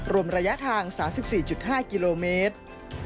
รวมระยะทาง๓๔๕กิโลเมตร